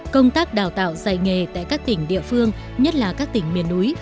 công tác đào tạo dạy nghề tại các tỉnh địa phương nhất là các tỉnh miền núi